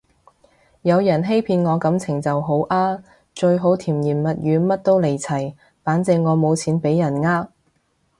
有人欺騙我感情就好啊，最好甜言蜜語乜都嚟齊，反正我冇錢畀人呃